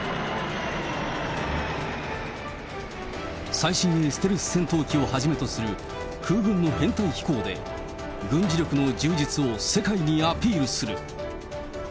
最新鋭ステルス戦闘機をはじめとする、空軍の編隊飛行で軍事力の充実を世界にアピールする。